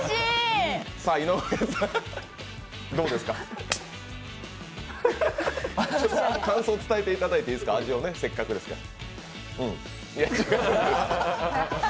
井上さん、どうですか感想伝えていただいていいですか味をね、せっかくですから。